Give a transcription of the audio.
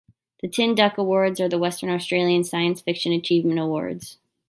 The Tin Duck Awards are the Western Australian science fiction achievement awards.